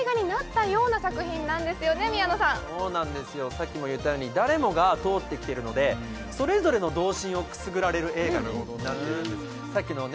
さっきも言ったように誰もが通ってきてるのでそれぞれの童心をくすぐられる映画になっているんですさっきのね